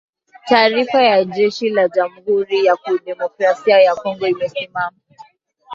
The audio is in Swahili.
Taarifa ya jeshi la Jamuhuri ya Kidemokrasia ya Kongo imesema